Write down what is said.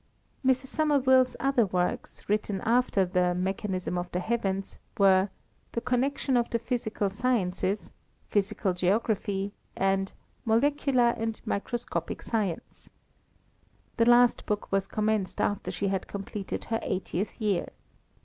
Mrs. Somerville's other works, written after The Mechanism of the Heavens, were The Connection of the Physical Sciences, Physical Geography, and Molecular and Microscopic Science. The last book was commenced after she had completed her eightieth year.